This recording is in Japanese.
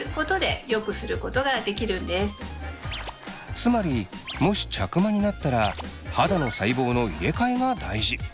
つまりもし茶クマになったら肌の細胞の入れかえが大事。